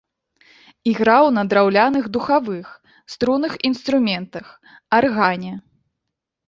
Іграў на драўляных духавых, струнных інструментах, аргане.